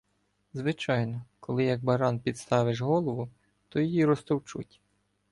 Звичайно, коли як баран підставиш голову, то її розтовчуть.